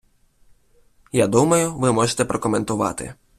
Я думаю, ви можете прокоментувати.